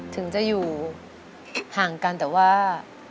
ถึงจะอยู่ห่างกันแต่ว่า